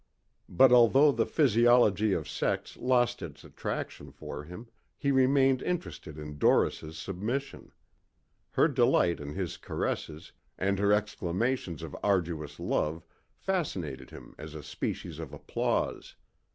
But although the physiology of sex lost its attraction for him, he remained interested in Doris' submission. Her delight in his caresses and her exclamations of arduous love fascinated him as a species of applause.